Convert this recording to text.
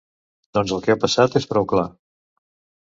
Doncs el que ha passat és prou clar.